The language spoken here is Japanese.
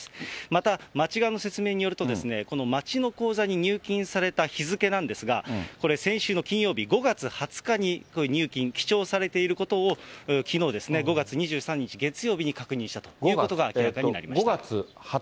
また、町側の説明によると、この町の口座に入金された日付なんですが、これ、先週の金曜日５月２０日に入金、記帳されていることをきのう５月２３日月曜日に確認したというこ５月２０日？